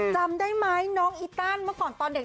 จำได้ไหมน้องอีตันเมื่อก่อนตอนเด็ก